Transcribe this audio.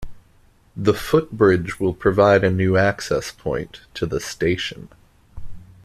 The footbridge will provide a new access point to the station.